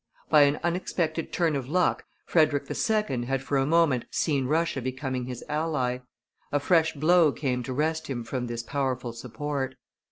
By an unexpected turn of luck, Frederick II. had for a moment seen Russia becoming his ally; a fresh blow came to wrest from him this powerful support.